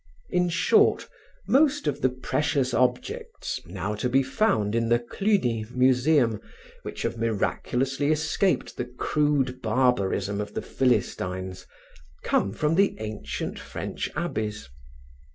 In short, most of the precious objects now to be found in the Cluny museum, which have miraculously escaped the crude barbarism of the philistines, come from the ancient French abbeys.